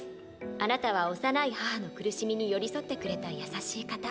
あなたは幼い母の苦しみに寄り添ってくれた優しい方。